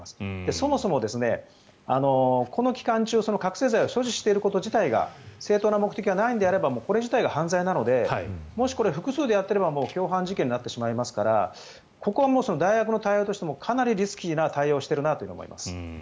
そもそもこの期間中覚醒剤を所持していること自体が正当な目的がないのであればこれ自体が犯罪なのでもしこれ、複数でやっていれば共犯事件になってしまいますからここは大学の対応としてもかなりリスキーな対応をしているなと感じます。